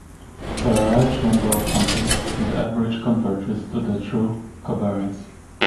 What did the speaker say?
For a large number of samples, the average converges to the true covariance.